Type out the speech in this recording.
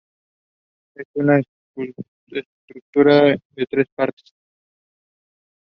Precipitation runoff from the mountain drains into tributaries of the Uncompahgre River.